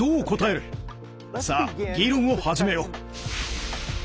さあ議論を始めよう。